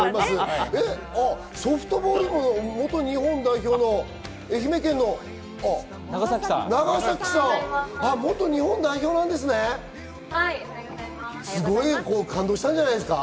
ソフトボールも元日本代表の愛媛県の長崎さん、元日本代表なんですね。